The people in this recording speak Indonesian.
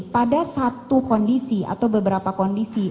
pada satu kondisi atau beberapa kondisi